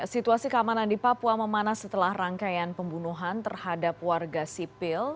situasi keamanan di papua memanas setelah rangkaian pembunuhan terhadap warga sipil